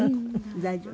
大丈夫？